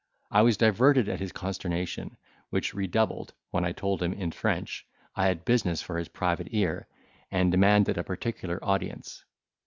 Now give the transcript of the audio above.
I was diverted at his consternation, which redoubled, when I told him in French, I had business for his private ear and demanded a particular audience.